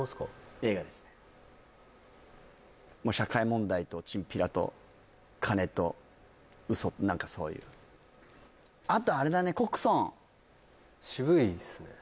映画ですねもう社会問題とチンピラと金と嘘何かそういうあとあれだね「哭声」渋いっすね